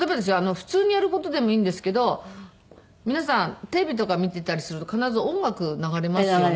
普通にやる事でもいいんですけど皆さんテレビとか見ていたりすると必ず音楽流れますよね。